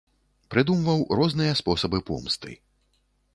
Прыдумваў розныя спосабы помсты.